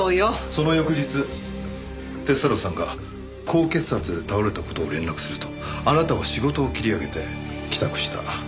その翌日鐵太郎さんが高血圧で倒れた事を連絡するとあなたは仕事を切り上げて帰宅した。